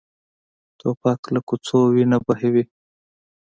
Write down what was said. توپک له کوڅو وینه بهوي.